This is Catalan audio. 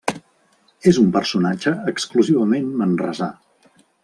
És un personatge exclusivament manresà.